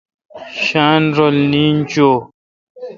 شاین رل نین چو۔